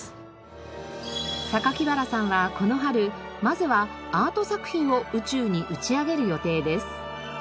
原さんはこの春まずはアート作品を宇宙に打ち上げる予定です。